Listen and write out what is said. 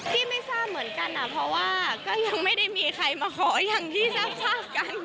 พี่ไม่ทราบเหมือนกันเพราะว่าก็ยังไม่ได้มีใครมาขออย่างที่ทราบกัน